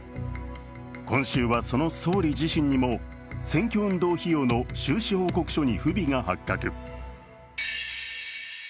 今週は、その総理自身にも選挙運動費用の収支報告書に不備が発覚。